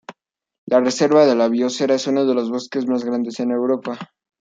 La reserva de la biosfera es uno de los bosques más grandes en Europa.